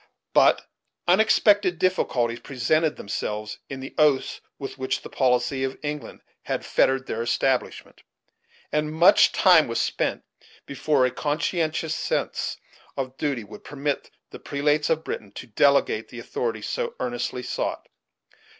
But unexpected difficulties presented themselves, in the oaths with which the policy of England had fettered their establishment; and much time was spent before a conscientious sense of duty would permit the prelates of Britain to delegate the authority so earnestly sought.